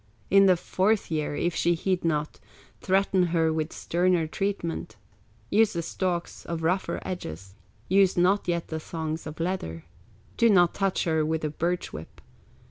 In the fourth year, if she heed not, Threaten her with sterner treatment, With the stalks of rougher edges, Use not yet the thongs of leather, Do not touch her with the birch whip.